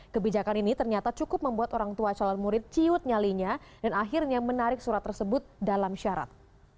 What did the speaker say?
kebijakan ini ternyata cukup membuat orang tua calon murid ciut nyalinya dan akhirnya menarik surat tersebut dalam syarat